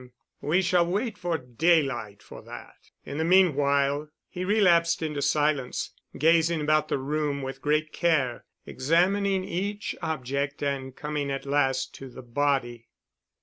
We shall wait for daylight for that. In the meanwhile——" he relapsed into silence, gazing about the room with great care, examining each object and coming at last to the body.